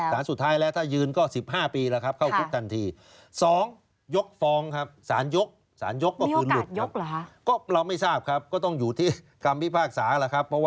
สารสุดท้ายแล้วสารสุดท้ายแล้ว